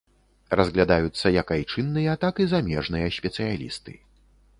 Разглядаюцца як айчынныя, так і замежныя спецыялісты.